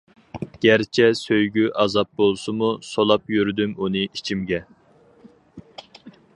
گەرچە سۆيگۈ ئازاب بەرسىمۇ، سولاپ يۈردۈم ئۇنى ئىچىمگە.